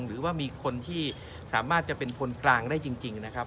หรือว่ามีคนที่สามารถจะเป็นคนกลางได้จริงนะครับ